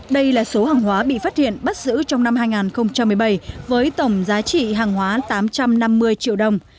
đây là số hàng hóa bị phát hiện bắt giữ trong năm hai nghìn một mươi bảy với tổng giá trị hàng hóa tám trăm năm mươi triệu đồng